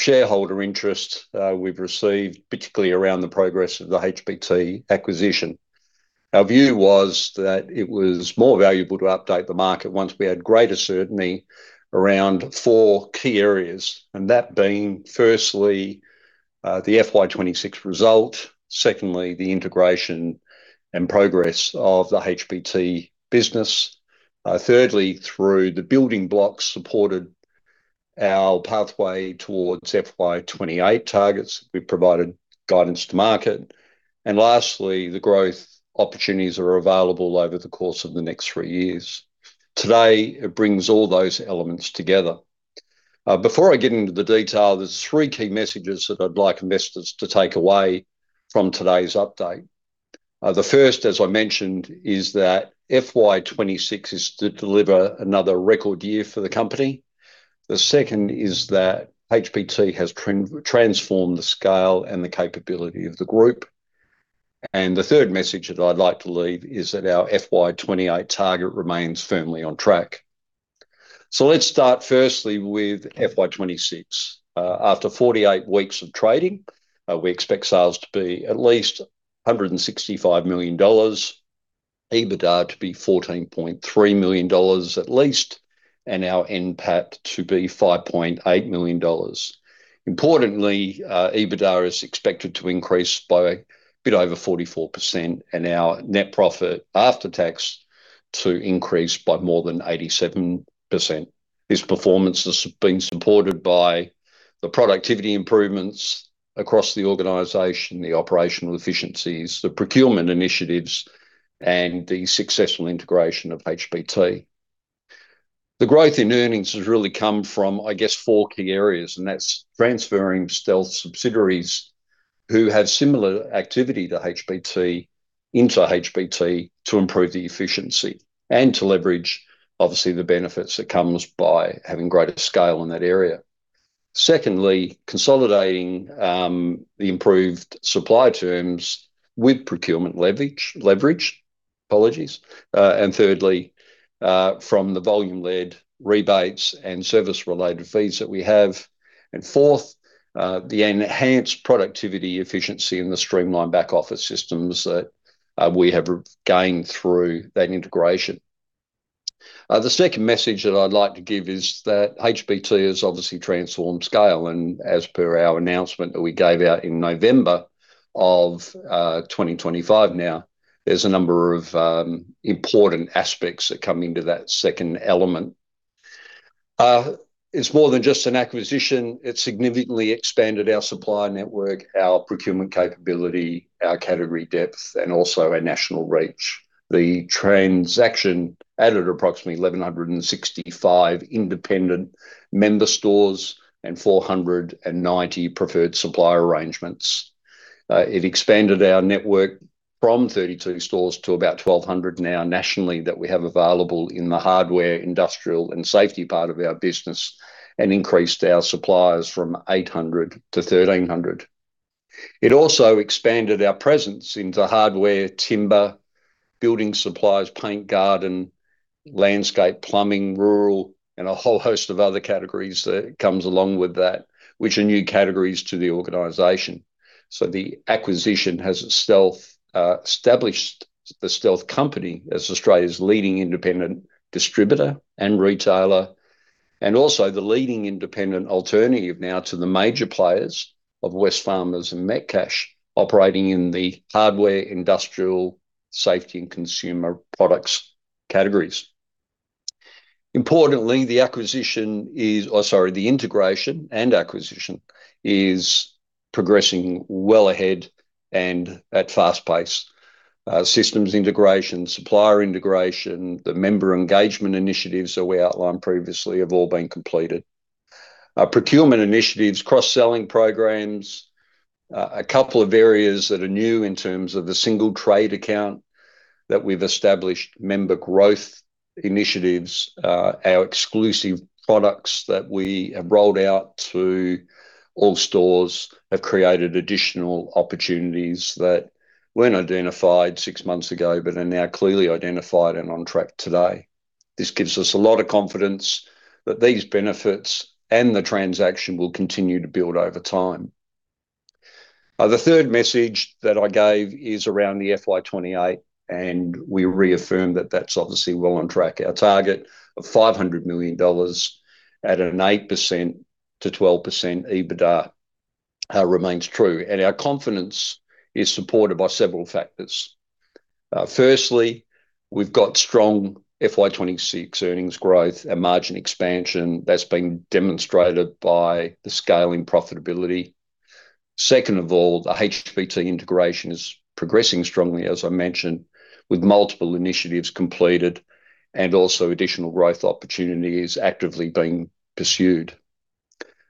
Of shareholder interest we've received, particularly around the progress of the HBT acquisition. Our view was that it was more valuable to update the market once we had greater certainty around four key areas, and that being firstly, the FY 2026 result, secondly, the integration and progress of the HBT business, thirdly, through the building blocks supported our pathway towards FY 2028 targets, we provided guidance to market, and lastly, the growth opportunities that are available over the course of the next three years. Today, it brings all those elements together. Before I get into the detail, there's three key messages that I'd like investors to take away from today's update. The first, as I mentioned, is that FY 2026 is to deliver another record year for the company. The second is that HBT has transformed the scale and the capability of the group. The third message that I'd like to leave is that our FY 2028 target remains firmly on track. Let's start firstly with FY 2026. After 48 weeks of trading, we expect sales to be at least 165 million dollars, EBITDA to be 14.3 million dollars at least, and our NPAT to be 5.8 million dollars. Importantly, EBITDA is expected to increase by a bit over 44%, and our net profit after tax to increase by more than 87%. This performance has been supported by the productivity improvements across the organization, the operational efficiencies, the procurement initiatives, and the successful integration of HBT. The growth in earnings has really come from, I guess, four key areas, and that's transferring Stealth subsidiaries who have similar activity to HBT into HBT to improve the efficiency and to leverage obviously the benefits that comes by having greater scale in that area. Secondly, consolidating the improved supply terms with procurement leverage. Thirdly, from the volume-led rebates and service-related fees that we have. Fourth, the enhanced productivity efficiency and the streamlined back office systems that we have gained through that integration. The second message that I'd like to give is that HBT has obviously transformed scale, and as per our announcement that we gave out in November of 2025 now. There's a number of important aspects that come into that second element. It's more than just an acquisition. It significantly expanded our supplier network, our procurement capability, our category depth, and also our national reach. The transaction added approximately 1,165 independent member stores and 490 preferred supplier arrangements. It expanded our network from 32 stores to about 1,200 now nationally that we have available in the hardware, industrial, and safety part of our business, and increased our suppliers from 800 to 1,300. It also expanded our presence into hardware, timber, building supplies, paint, garden, landscape, plumbing, rural, and a whole host of other categories that comes along with that, which are new categories to the organization. The acquisition has established the Stealth company as Australia's leading independent distributor and retailer, and also the leading independent alternative now to the major players of Wesfarmers and Metcash, operating in the hardware, industrial, safety, and consumer products categories. Importantly, the integration and acquisition is progressing well ahead and at fast pace. Systems integration, supplier integration, the member engagement initiatives that we outlined previously have all been completed. Procurement initiatives, cross-selling programs, a couple of areas that are new in terms of the single trade account that we've established, member growth initiatives, our exclusive products that we have rolled out to all stores have created additional opportunities that weren't identified six months ago but are now clearly identified and on track today. This gives us a lot of confidence that these benefits and the transaction will continue to build over time. The third message that I gave is around the FY 2028, and we reaffirm that that's obviously well on track. Our target of 500 million dollars at an 8%-12% EBITDA remains true, and our confidence is supported by several factors. Firstly, we've got strong FY 2026 earnings growth and margin expansion that's been demonstrated by the scale in profitability. Second of all, the HBT integration is progressing strongly, as I mentioned, with multiple initiatives completed and also additional growth opportunities actively being pursued.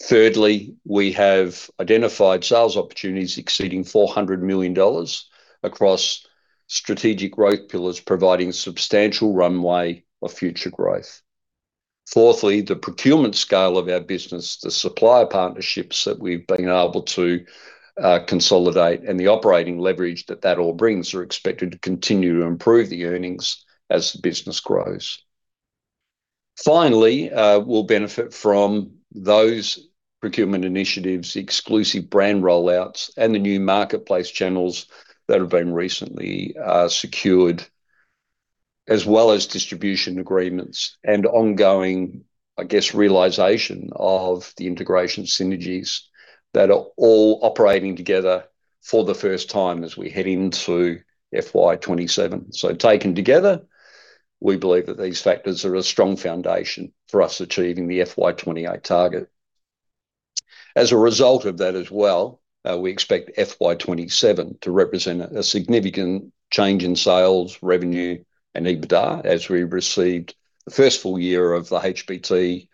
Thirdly, we have identified sales opportunities exceeding 400 million dollars across strategic growth pillars, providing substantial runway of future growth. Fourthly, the procurement scale of our business, the supplier partnerships that we've been able to consolidate, and the operating leverage that that all brings are expected to continue to improve the earnings as the business grows. Finally, we'll benefit from those procurement initiatives, the exclusive brand rollouts, and the new marketplace channels that have been recently secured, as well as distribution agreements and ongoing, I guess, realization of the integration synergies that are all operating together for the first time as we head into FY 2027. Taken together, we believe that these factors are a strong foundation for us achieving the FY 2028 target. As a result of that as well, we expect FY 2027 to represent a significant change in sales, revenue and EBITDA as we received the first full year of the HBT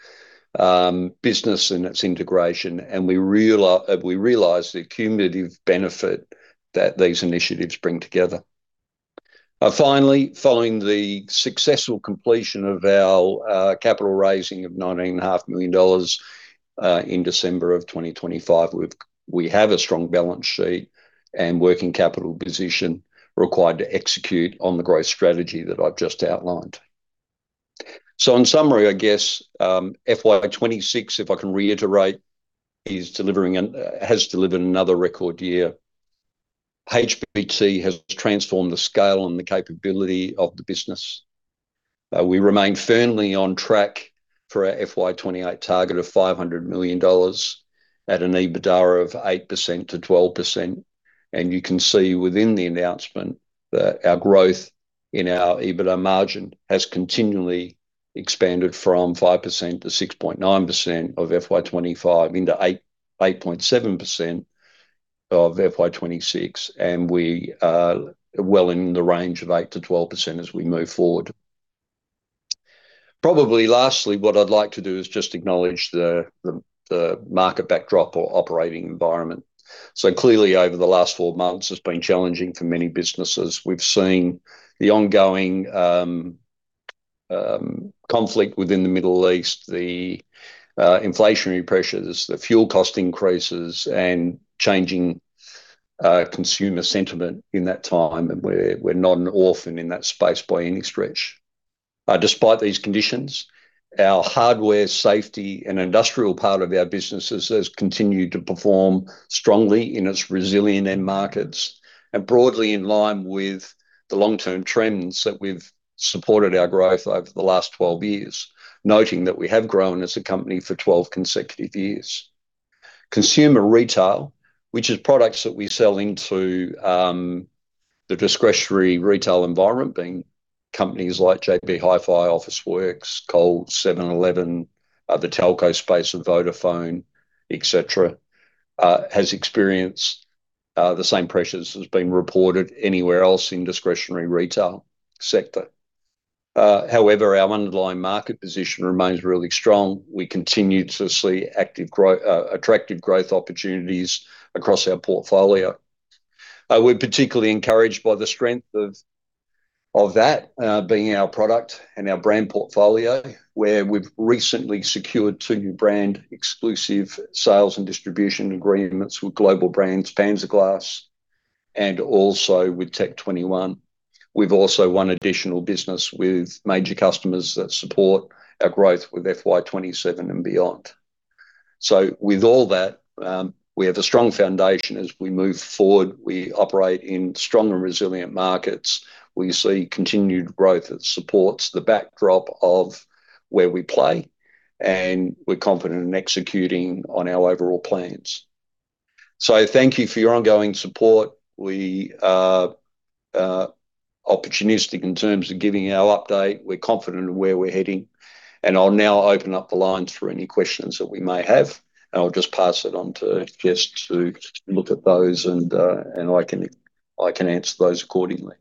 business and its integration, and we realize the cumulative benefit that these initiatives bring together. Finally, following the successful completion of our capital raising of 19.5 million dollars in December 2025, we have a strong balance sheet and working capital position required to execute on the growth strategy that I've just outlined. In summary, I guess FY 2026, if I can reiterate, has delivered another record year. HBT has transformed the scale and the capability of the business. We remain firmly on track for our FY 2028 target of 500 million dollars at an EBITDA of 8%-12%. You can see within the announcement that our growth in our EBITDA margin has continually expanded from 5%-6.9% of FY 2025 into 8.7% of FY 2026, and we are well in the range of 8%-12% as we move forward. Probably lastly, what I'd like to do is just acknowledge the market backdrop or operating environment. Clearly over the last four months, it's been challenging for many businesses. We've seen the ongoing conflict within the Middle East, the inflationary pressures, the fuel cost increases, and changing consumer sentiment in that time, and we're not an orphan in that space by any stretch. Despite these conditions, our hardware, safety, and industrial part of our businesses has continued to perform strongly in its resilient end markets and broadly in line with the long-term trends that we've supported our growth over the last 12 years, noting that we have grown as a company for 12 consecutive years. Consumer retail, which is products that we sell into the discretionary retail environment, being companies like JB Hi-Fi, Officeworks, Coles, 7-Eleven, the telco space with Vodafone, et cetera, has experienced the same pressures as been reported anywhere else in discretionary retail sector. However, our underlying market position remains really strong. We continue to see attractive growth opportunities across our portfolio. We're particularly encouraged by the strength of that being our product and our brand portfolio, where we've recently secured two brand exclusive sales and distribution agreements with global brands, PanzerGlass and also with Tech21. We've also won additional business with major customers that support our growth with FY 2027 and beyond. With all that, we have a strong foundation as we move forward. We operate in strong and resilient markets. We see continued growth that supports the backdrop of where we play, and we're confident in executing on our overall plans. Thank you for your ongoing support. We are opportunistic in terms of giving our update. We're confident in where we're heading, and I'll now open up the lines for any questions that we may have. I'll just pass it on to Jess to look at those and I can answer those accordingly.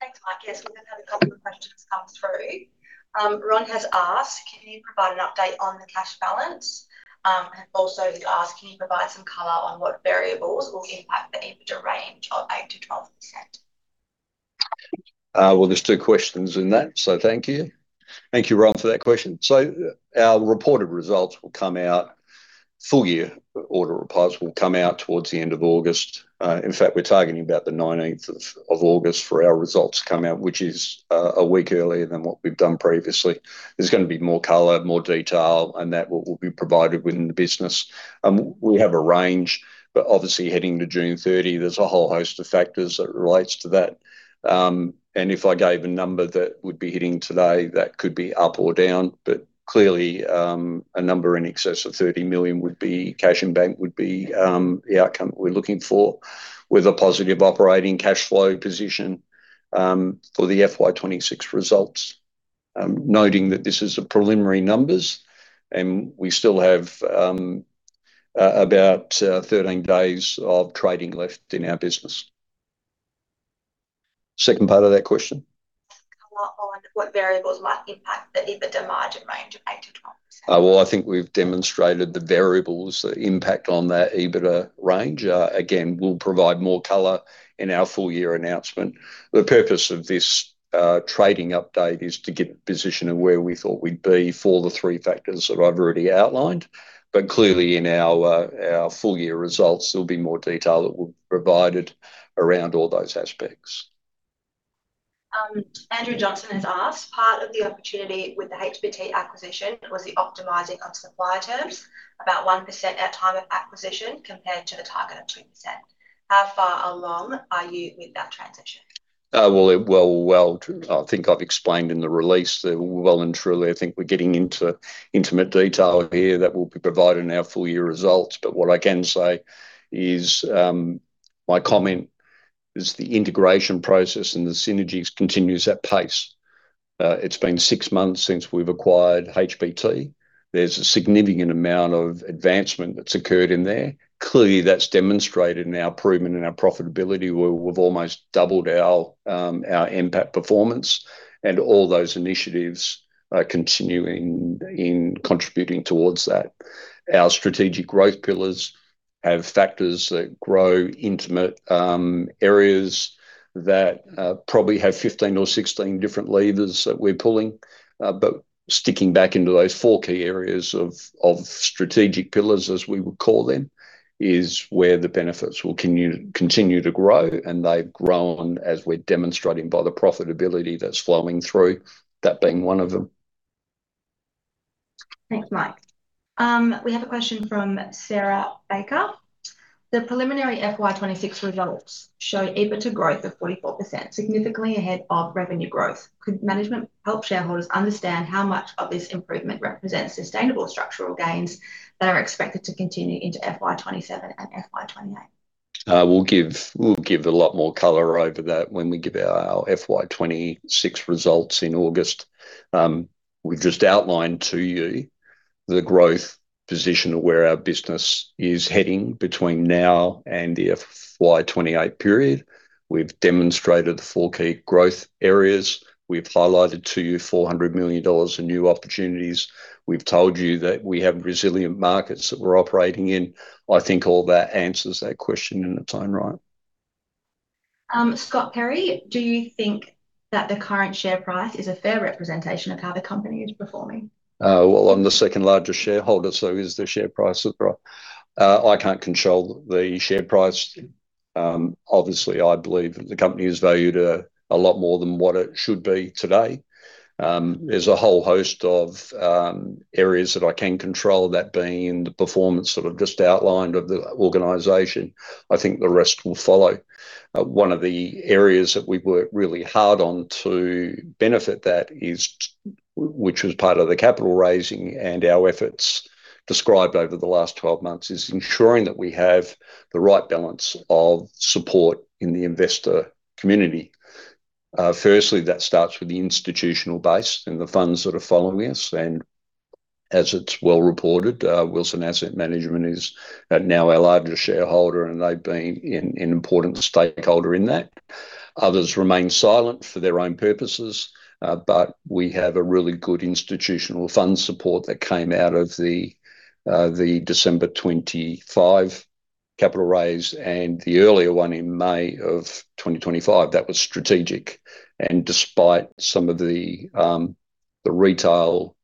Thanks, Mike. Yes, we have had a couple of questions come through. Ron has asked, can you provide an update on the cash balance? Also he's asking, can you provide some color on what variables will impact the EBITDA range of 8%-12%? Well, there's two questions in that, thank you. Thank you, Ron, for that question. Our reported results will come out, full year order reports will come out towards the end of August. In fact, we're targeting about the 19th of August for our results to come out, which is a week earlier than what we've done previously. There's going to be more color, more detail, and that will be provided within the business. We have a range, but obviously heading to June 30, there's a whole host of factors that relates to that. If I gave a number that would be hitting today, that could be up or down. Clearly, a number in excess of 30 million would be cash in bank would be the outcome that we're looking for with a positive operating cash flow position for the FY 2026 results, noting that this is the preliminary numbers, and we still have about 13 days of trading left in our business. Second part of that question? Color on what variables might impact the EBITDA margin range of 8%-12%. I think we've demonstrated the variables that impact on that EBITDA range. Again, we'll provide more color in our full year announcement. The purpose of this trading update is to give a position of where we thought we'd be for the three factors that I've already outlined. Clearly in our full year results, there'll be more detail that we'll provide around all those aspects. Andrew Johnson has asked: Part of the opportunity with the HBT acquisition was the optimizing of supplier terms, about 1% at time of acquisition compared to the target of 2%. How far along are you with that transition? Well, I think I've explained in the release that well and truly, I think we're getting into intimate detail here that we'll be providing our full year results. What I can say is, my comment is the integration process and the synergies continues at pace. It's been six months since we've acquired HBT. There's a significant amount of advancement that's occurred in there. Clearly, that's demonstrated in our improvement in our profitability, where we've almost doubled our NPAT performance and all those initiatives are continuing in contributing towards that. Our strategic growth pillars have factors that grow intimate areas that probably have 15 or 16 different levers that we're pulling. Sticking back into those four key areas of strategic pillars, as we would call them, is where the benefits will continue to grow, and they've grown as we're demonstrating by the profitability that's flowing through, that being one of them. Thanks, Mike. We have a question from Sarah Baker. The preliminary FY 2026 results show EBITDA growth of 44%, significantly ahead of revenue growth. Could management help shareholders understand how much of this improvement represents sustainable structural gains that are expected to continue into FY 2027 and FY 2028? We'll give a lot more color over that when we give our FY 2026 results in August. We've just outlined to you the growth position of where our business is heading between now and the FY 2028 period. We've demonstrated the four key growth areas. We've highlighted to you 400 million dollars in new opportunities. We've told you that we have resilient markets that we're operating in. I think all that answers that question in its own right. Scott Perry, do you think that the current share price is a fair representation of how the company is performing? I'm the second largest shareholder, the share price is right. I can't control the share price. Obviously, I believe the company is valued a lot more than what it should be today. There's a whole host of areas that I can control, that being the performance that I've just outlined of the organization. I think the rest will follow. One of the areas that we've worked really hard on to benefit that is, which was part of the capital raising and our efforts described over the last 12 months, is ensuring that we have the right balance of support in the investor community. Firstly, that starts with the institutional base and the funds that are following us. As it's well reported, Wilson Asset Management is now our largest shareholder, and they've been an important stakeholder in that. Others remain silent for their own purposes. We have a really good institutional fund support that came out of the December 2025 capital raise and the earlier one in May of 2025. That was strategic. Despite some of the retail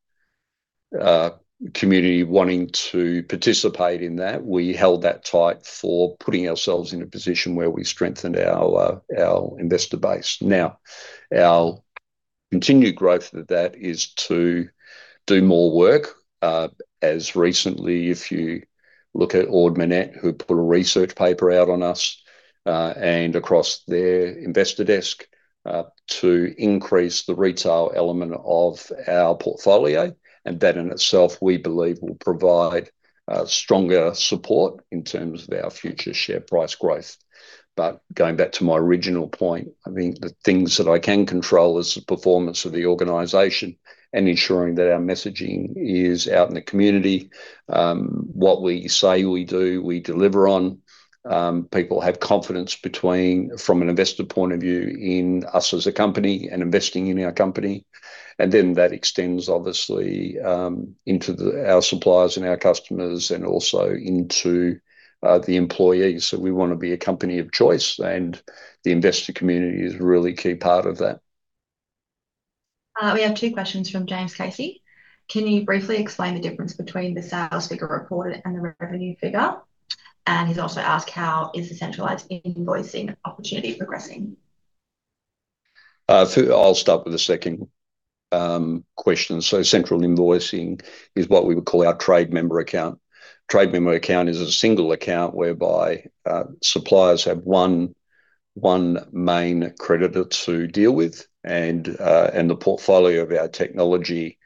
community wanting to participate in that, we held that tight for putting ourselves in a position where we strengthened our investor base. Now, our continued growth of that is to do more work. As recently, if you look at Ord Minnett, who put a research paper out on us, and across their investor desk, to increase the retail element of our portfolio. That in itself, we believe will provide stronger support in terms of our future share price growth. Going back to my original point, I think the things that I can control is the performance of the organization and ensuring that our messaging is out in the community. What we say we do, we deliver on. People have confidence from an investor point of view, in us as a company and investing in our company. That extends obviously, into our suppliers and our customers and also into the employees. We want to be a company of choice, and the investor community is a really key part of that. We have two questions from James Casey. Can you briefly explain the difference between the sales figure reported and the revenue figure? He's also asked how is the centralized invoicing opportunity progressing? I'll start with the second question. Central invoicing is what we would call our trade member account. Trade member account is a single account whereby suppliers have one main creditor to deal with, and the portfolio of our technology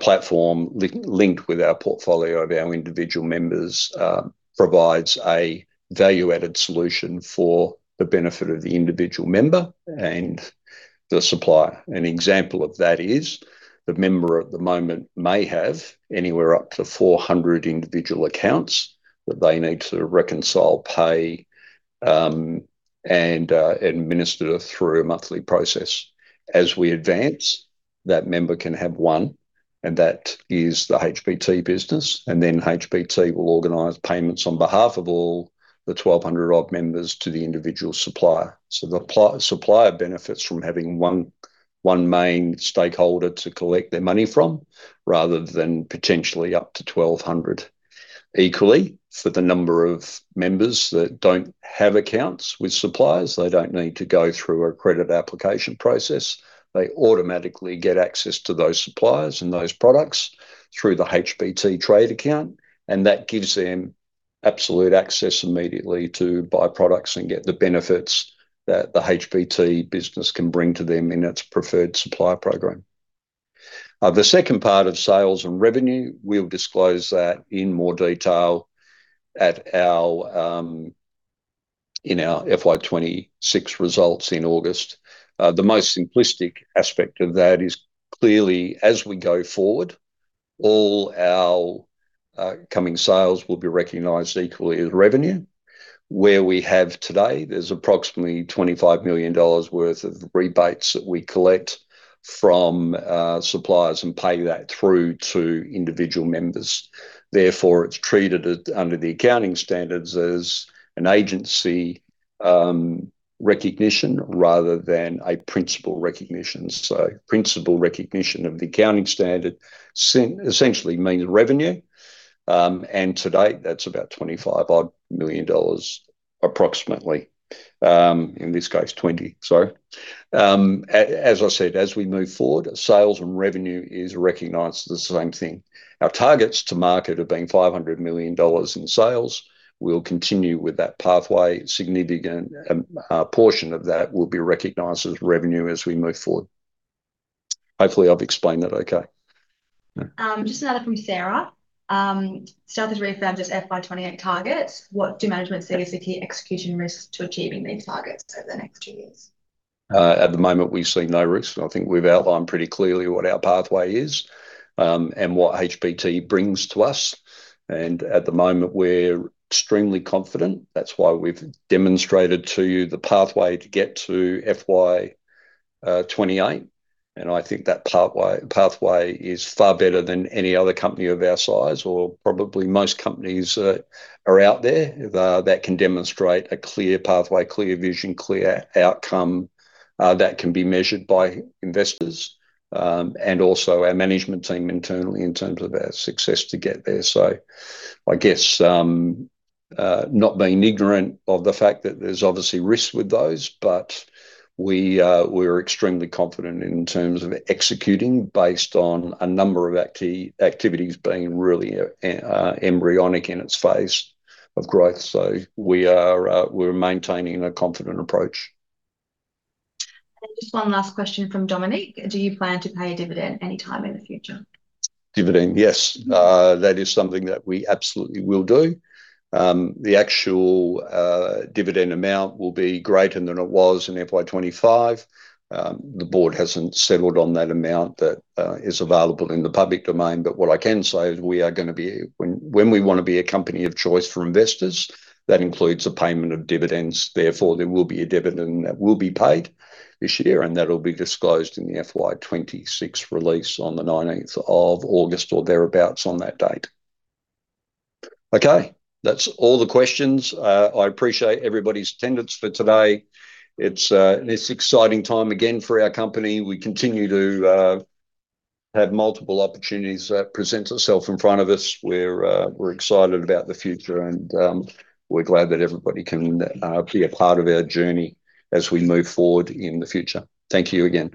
platform linked with our portfolio of our individual members, provides a value-added solution for the benefit of the individual member and the supplier. An example of that is the member at the moment may have anywhere up to 400 individual accounts that they need to reconcile pay, and administer through a monthly process. As we advance, that member can have one, and that is the HBT business, and then HBT will organize payments on behalf of all the 1,200 odd members to the individual supplier. The supplier benefits from having one main stakeholder to collect their money from, rather than potentially up to 1,200. Equally, for the number of members that don't have accounts with suppliers, they don't need to go through a credit application process. They automatically get access to those suppliers and those products through the HBT trade account, and that gives them absolute access immediately to buy products and get the benefits that the HBT business can bring to them in its preferred supplier program. The second part of sales and revenue, we'll disclose that in more detail in our FY 2026 results in August. The most simplistic aspect of that is clearly, as we go forward, all our coming sales will be recognized equally as revenue. Where we have today, there's approximately 25 million dollars worth of rebates that we collect from suppliers and pay that through to individual members. Therefore, it's treated under the accounting standards as an agency recognition rather than a principal recognition. Principal recognition of the accounting standard essentially means revenue, and to date, that's about 25 million dollars approximately. In this case, 20, sorry. As I said, as we move forward, sales and revenue is recognized the same thing. Our targets to market have been 500 million dollars in sales. We'll continue with that pathway. A significant portion of that will be recognized as revenue as we move forward. Hopefully, I've explained that okay. Just another from Sarah. Stealth has reaffirmed its FY 2028 targets. What do management see as the key execution risks to achieving these targets over the next two years? At the moment, we see no risks, I think we've outlined pretty clearly what our pathway is and what HBT brings to us. At the moment, we're extremely confident. That's why we've demonstrated to you the pathway to get to FY 2028, I think that pathway is far better than any other company of our size or probably most companies that are out there that can demonstrate a clear pathway, clear vision, clear outcome that can be measured by investors, also our management team internally in terms of our success to get there. I guess, not being ignorant of the fact that there's obviously risks with those, we're extremely confident in terms of executing based on a number of activities being really embryonic in its phase of growth. We're maintaining a confident approach. Just one last question from Dominique: Do you plan to pay a dividend any time in the future? Dividend, yes. That is something that we absolutely will do. The actual dividend amount will be greater than it was in FY 2025. The board hasn't settled on that amount that is available in the public domain, what I can say is we are going to be When we want to be a company of choice for investors, that includes the payment of dividends. Therefore, there will be a dividend that will be paid this year, that'll be disclosed in the FY 2026 release on the 19th of August, or thereabouts on that date. Okay. That's all the questions. I appreciate everybody's attendance for today. It's an exciting time again for our company. We continue to have multiple opportunities that present itself in front of us. We're excited about the future, we're glad that everybody can be a part of our journey as we move forward in the future. Thank you again.